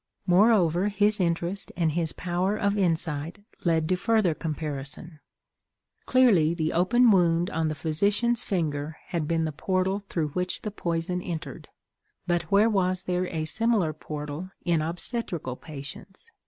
Moreover, his interest and his power of insight led to further comparison. Clearly, the open wound on the physician's finger had been the portal through which the poison entered; but where was there a similar portal in obstetrical patients?